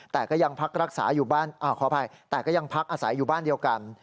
แต่ก็ยังพักอาศัยอยู่บ้านเดียวกัน